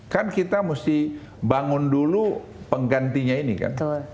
kan kita mesti bangun dulu penggantinya ini kan